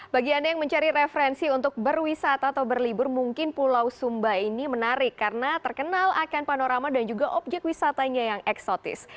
bagi anda yang mencari referensi untuk berwisata atau berlibur mungkin pulau sumba ini menarik karena terkenal akan panorama dan juga objek wisatanya yang eksotis